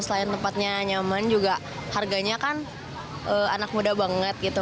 selain tempatnya nyaman juga harganya kan anak muda banget gitu